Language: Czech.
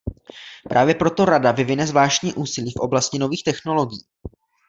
Právě proto Rada vyvine zvláštní úsilí v oblasti nových technologií.